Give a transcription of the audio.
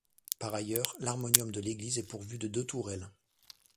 Par ailleurs, l'harmonium de l'église est pourvu de deux tourelles.